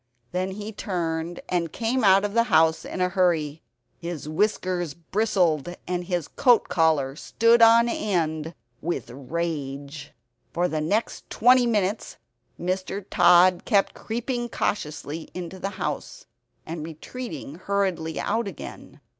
Then he turned and came out of the house in a hurry. His whiskers bristled and his coat collar stood on end with rage. For the next twenty minutes Mr. Tod kept creeping cautiously into the house, and retreating hurriedly out again.